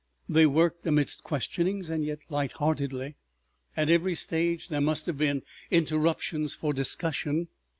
They worked amidst questionings, and yet light heartedly. At every stage there must have been interruptions for discussion.